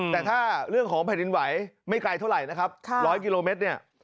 แต่ถ้าเรื่องของแผ่นดินไหวไม่ไกลเท่าไหร่นะครับ๑๐๐กิโลเมตรเนี่ย